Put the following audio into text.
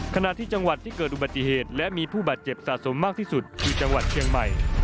ขณะที่จังหวัดที่เกิดอุบัติเหตุและมีผู้บาดเจ็บสะสมมากที่สุดคือจังหวัดเชียงใหม่